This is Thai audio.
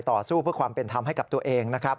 ต่อสู้เพื่อความเป็นธรรมให้กับตัวเองนะครับ